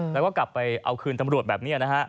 แล้วก็กลับไปเอาคืนตำรวจแบบนี้นะฮะ